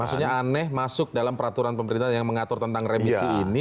maksudnya aneh masuk dalam peraturan pemerintah yang mengatur tentang remisi ini